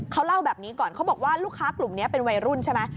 เขาเล่าแบบนี้ก่อนเขาบอกว่าลูกค้ากลุ่มนี้เป็นวัยรุ่นใช่ไหม